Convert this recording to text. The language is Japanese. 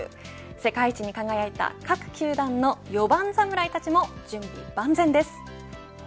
世界一に輝いた各球団の４番侍たちも準備万全です。